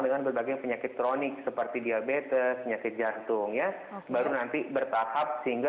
dengan berbagai penyakit kronik seperti diabetes penyakit jantung ya baru nanti bertahap sehingga